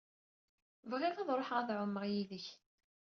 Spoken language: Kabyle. Bɣiɣ ad ruḥeɣ ad ɛummeɣ yid-k.